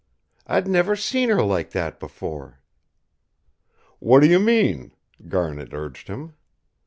I'd never seen her like that before." "What do you mean?" Garnet urged him.